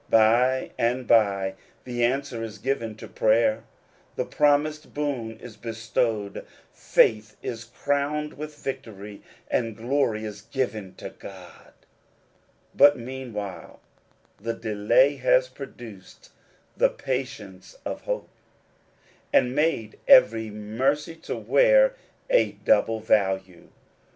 By and by the answer is given to prayer, the promised boon is bestowed, faith is crowned with victory, and glory is given to God ; but meanwhile the delay has produced the patience of hope, and made every mercy to wear a double value.